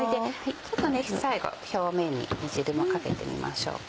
ちょっとね最後表面に煮汁もかけてみましょうか。